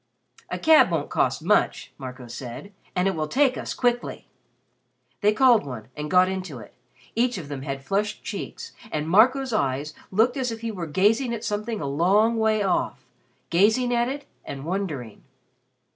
"A cab won't cost much," Marco said, "and it will take us quickly." They called one and got into it. Each of them had flushed cheeks, and Marco's eyes looked as if he were gazing at something a long way off gazing at it, and wondering.